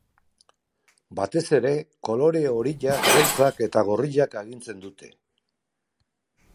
Batez ere, kolore horiak, beltzak eta gorriak agintzen dute.